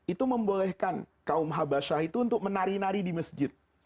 itu membolehkan kaum habasyah itu untuk menari nari di masjid